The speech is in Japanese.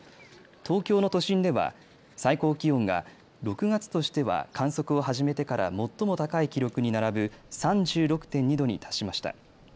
東京の都心では最高気温が６月としては観測を始めてから最も高い記録に並ぶ３６．２度に達しました。